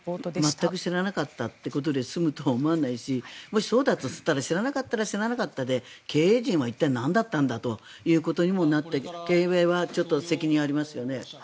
全く知らなかったということで済むと思わないしもしそうだとしたら知らなかったら知らなかったで経営陣は一体なんだったんだということにもなって経営は責任ありますよね。